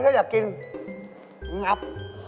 ถ้าอยากกินงับ